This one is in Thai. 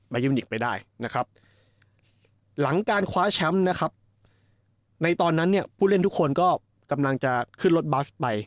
ยูมิกไปได้นะครับหลังการคว้าแชมป์นะครับในตอนนั้นเนี่ยผู้เล่นทุกคนก็กำลังจะขึ้นรถบัสไป